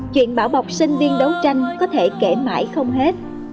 chuyện bảo bọc sinh viên đấu tranh có thể kể mãi không hết